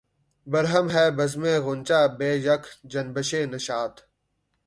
برہم ہے بزمِ غنچہ بہ یک جنبشِ نشاط